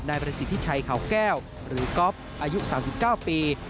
ประสิทธิชัยเขาแก้วหรือก๊อฟอายุ๓๙ปี